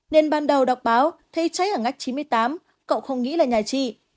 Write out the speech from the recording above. nên ban đầu đọc báo thấy cháy ở ngách chín mươi tám cậu không nghĩ là nhà chị